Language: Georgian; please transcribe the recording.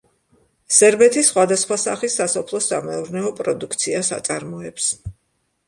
სერბეთი სხვადასხვა სახის სასოფლო-სამეურნეო პროდუქციას აწარმოებს.